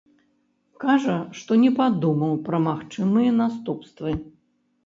Кажа, што не падумаў пра магчымыя наступствы.